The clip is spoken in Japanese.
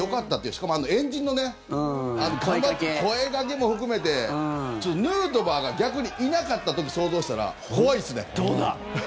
しかも、あの円陣のね声掛けも含めてヌートバーが逆にいなかった時想像したら、怖いっすね。